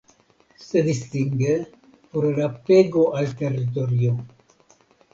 Se distingue por el apego al territorio.